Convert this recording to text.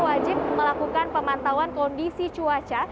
wajib melakukan pemantauan kondisi cuaca